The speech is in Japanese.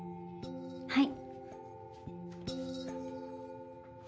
はい。